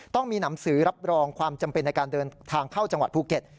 ต้องมีหนังสือรับรองความจำเป็นในการเดินทางเข้าจังหวัดภูเก็ต